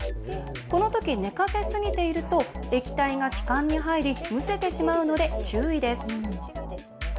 このとき寝かせすぎていると液体が気管に入りむせてしまうので注意です。